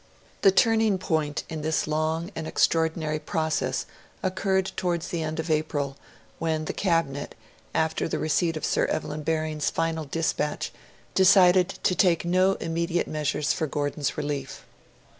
The turning point in this long and extraordinary process occurred towards the end of April, when the Cabinet, after the receipt of Sir Evelyn Baring's final dispatch, decided to take no immediate measures for Gordon's relief.